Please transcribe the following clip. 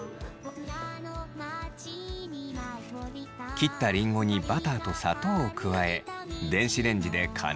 切ったリンゴにバターと砂糖を加え電子レンジで加熱。